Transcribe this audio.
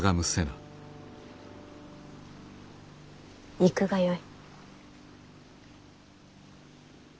行くがよい。